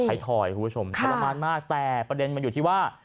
ถอยคุณผู้ชมทรมานมากแต่ประเด็นมันอยู่ที่ว่า